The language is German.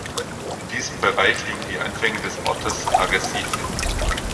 In diesem Bereich liegen die Anfänge des Ortes Arrecife.